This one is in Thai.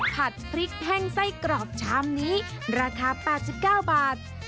ผัดพริกแห้งไส้กรอกชามนี้ราคา๘๙บาท